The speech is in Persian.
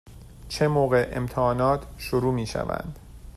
چه موقع امتحانات شروع می شوند؟